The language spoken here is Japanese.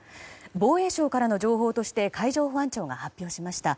防衛省からの情報として海上保安庁が発表しました。